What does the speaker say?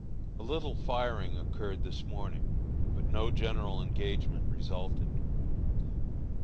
A little firing occurred this morning, but no general engagement resulted.